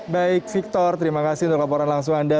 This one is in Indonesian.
baik victor terima kasih untuk laporan langsung anda